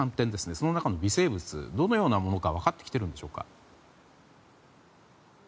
その中の微生物はどのようなものか分かってきているんでしょうか。